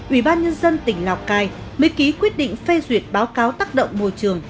ubnd tỉnh lào cai mới ký quyết định phê duyệt báo cáo tác động môi trường